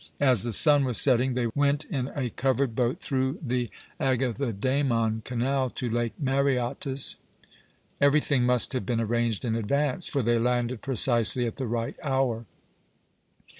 As the sun was setting they went in a covered boat through the Agathodæmon Canal to Lake Mareotis. Everything must have been arranged in advance; for they landed precisely at the right hour.